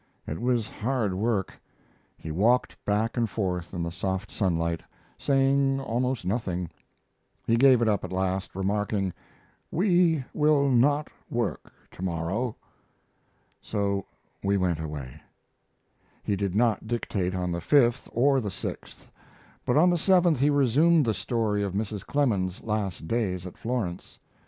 It was hard work. He walked back and forth in the soft sunlight, saying almost nothing. He gave it up at last, remarking, "We will not work to morrow." So we went away. He did not dictate on the 5th or the 6th, but on the 7th he resumed the story of Mrs. Clemens's last days at Florence.